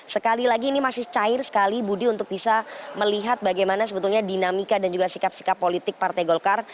sekali lagi ini masih cair sekali budi untuk bisa melihat bagaimana sebetulnya dinamika dan juga sikap sikap politik partai golkar